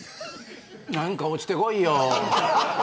なんか落ちてこいよ。